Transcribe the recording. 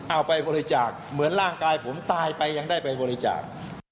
เอาไปบริจาคเหมือนร่างกายผมตายไปยังได้ไปบริจาค